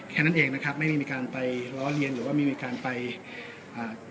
แค่นั้นเองนะครับไม่ได้มีการไปล้อเลียนหรือว่าไม่มีการไปอ่า